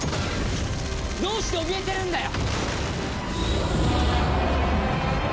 どうしておびえてるんだよ！？